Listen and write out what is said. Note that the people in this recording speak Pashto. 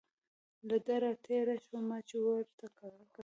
له ده را تېر شو، ما چې ورته وکتل.